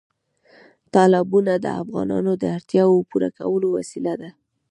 تالابونه د افغانانو د اړتیاوو پوره کولو وسیله ده.